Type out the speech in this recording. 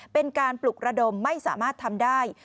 เป็นการปลุกระดมไม่สามารถทำได้